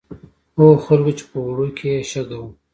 هغو خلکو چې په اوړو کې یې شګه وه.